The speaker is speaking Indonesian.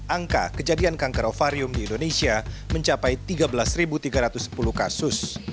angka kejadian kanker ovarium di indonesia mencapai tiga belas tiga ratus sepuluh kasus